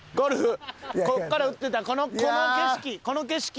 こっから打ってたこの景色